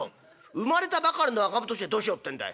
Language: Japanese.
生まれたばかりの赤ん坊の年聞いてどうしようってんだい。